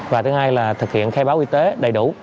và thứ hai là thực hiện khai báo y tế đầy đủ